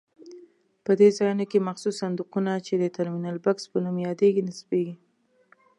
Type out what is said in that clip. په دې ځایونو کې مخصوص صندوقونه چې د ټرمینل بکس په نوم یادېږي نصبېږي.